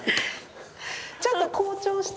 ちょっと紅潮して。